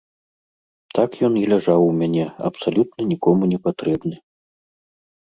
Так ён і ляжаў у мяне, абсалютна нікому не патрэбны.